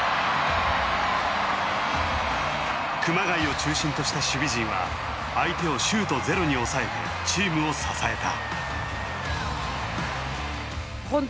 熊谷を中心とした守備陣は相手をシュートゼロに抑えてチームを支えた。